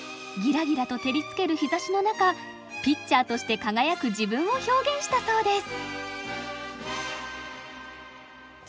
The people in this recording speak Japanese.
ギラギラと照りつける日ざしの中ピッチャーとして輝く自分を表現したそうです！